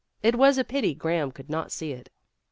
It was a pity Graham could not see it.